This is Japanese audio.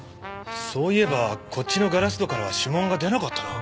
そういえばこっちのガラス戸からは指紋が出なかったな。